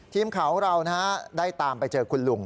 ทีมข่าวเรานะฮะได้ตามไปเจอคุณลุง